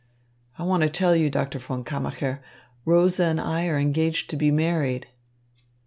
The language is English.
I want to tell you, Doctor von Kammacher, Rosa and I are engaged to be married."